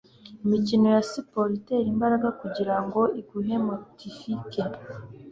Imikino ya siporo itera imbaraga kugirango iguhe motifike